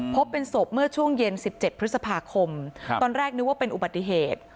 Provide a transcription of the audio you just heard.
พบเป็นศพเมื่อช่วงเย็น๑๗พฤษภาคมตอนแรกนึกว่าเป็นอุบัติเหตุ